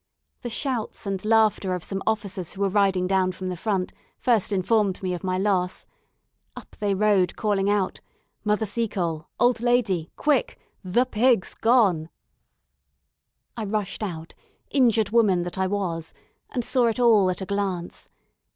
The shouts and laughter of some officers who were riding down from the front first informed me of my loss. Up they rode, calling out "Mother Seacole! old lady! quick! the pig's gone!" I rushed out, injured woman that I was, and saw it all at a glance.